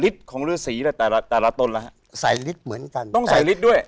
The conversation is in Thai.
ต้องใส่ฤทธิ์ด้วย